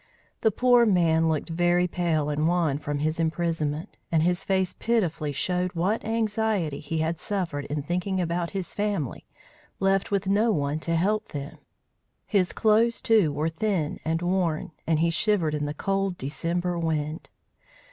The poor man looked very pale and wan from his imprisonment, and his face pitifully showed what anxiety he had suffered in thinking about his family left with no one to help them. His clothes, too, were thin and worn, and he shivered in the cold December wind.